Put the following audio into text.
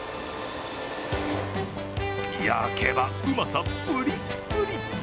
焼けば、うまさプリップリ。